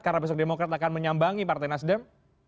karena besok demokrat akan menyambangi partai nasdem